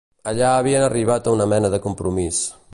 Allà havien arribat a una mena de compromís